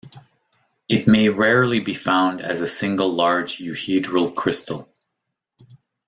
It may rarely be found as a single large euhedral crystal.